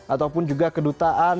ataupun juga kedutaan